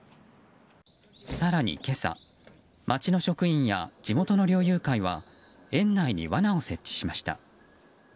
更に今朝町の職員や地元の猟友会は園内にわなを設置しました。